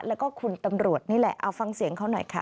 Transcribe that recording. แล้วก็คุณตำรวจนี่แหละเอาฟังเสียงเขาหน่อยค่ะ